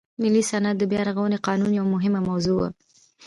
ملي صنعت بیا رغونې قانون یوه مهمه موضوع وه.